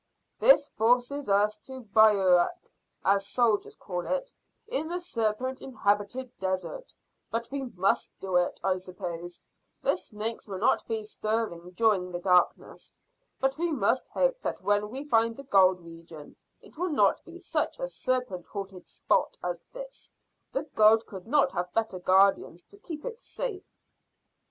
"This forces us to bivouac, as the soldiers call it, in the serpent inhabited desert. But we must do it, I suppose. The snakes will not be stirring during the darkness. But we must hope that when we find the gold region, it will not be such a serpent haunted spot as this; the gold could not have better guardians to keep it safe."